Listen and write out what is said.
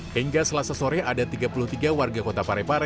hingga selasa sore ada tiga puluh tiga warga kota parepare